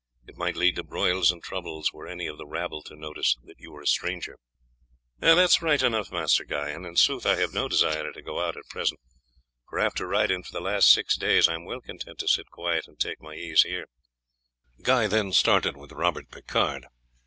It might lead to broils and troubles were any of the rabble to notice that you were a stranger." "That is right enough, Master Guy; and in sooth I have no desire to go out at present, for after riding for the last six days I am well content to sit quiet and take my ease here." Guy then started with Robert Picard.